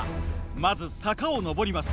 まず坂を上ります。